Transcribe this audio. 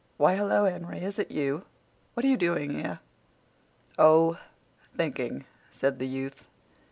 "Why, hello, Henry; is it you? What are you doing here?" "Oh, thinking," said the youth.